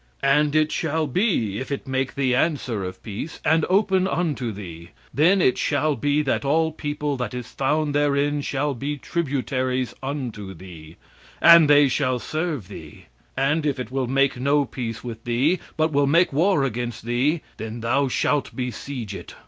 And it shall be if it make thee answer of peace, and open unto thee, then it shall be that all the people that is found therein shall be tributaries unto thee, and they shall serve thee. And if it will make no peace with thee, but will make war against thee, then thou shalt besiege it.